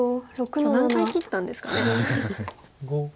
今日何回切ったんですかね。